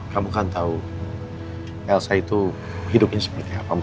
kamu kan tahu elsa itu hidupnya seperti apa